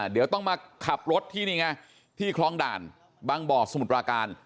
เดี๋ยวต้องมาขับรถที่นี่ไงที่คลองด่านบางบ่อสมุทรปราการ